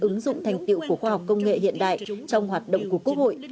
ứng dụng thành tiệu của khoa học công nghệ hiện đại trong hoạt động của quốc hội